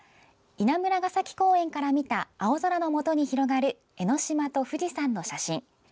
稲村ケ崎公園から見た青空の下に広がる江の島と富士山の写真。